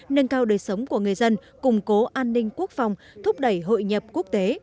nâng cao đời sống của người dân củng cố an ninh quốc phòng thúc đẩy hội nhập quốc tế